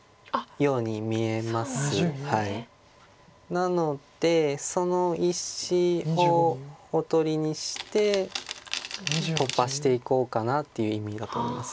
なのでその１子をおとりにして突破していこうかなっていう意味だと思います。